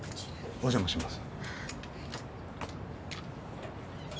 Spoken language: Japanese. お邪魔します